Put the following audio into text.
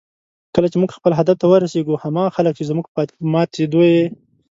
کله چې موږ خپل هدف ته ورسېږو، هماغه خلک چې زموږ په ماتېدو یې